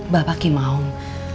bapak kim aung